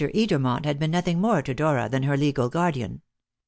Edermont had been nothing more to Dora than her legal guardian.